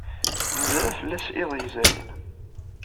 Nerza fell-as iḍ yezrin.